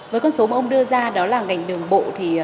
với con số mà ông đưa ra đó là ngành đường bộ